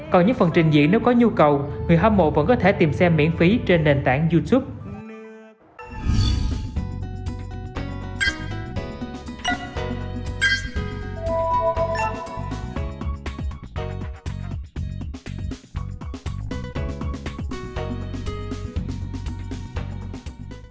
còn những phần trình diễn nếu có nhu cầu người hâm mộ vẫn có thể tìm xem miễn phí trên nền tảng youtube